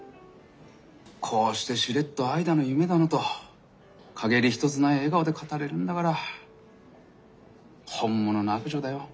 こうしてしれっと愛だの夢だのと陰り一つない笑顔で語れるんだから本物の悪女だよ